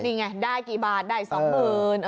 ดีไงได้กี่บาทได้๒หมื่น